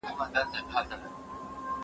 د ټولنپوهنې عملي ګټې خورا ډېرې دي.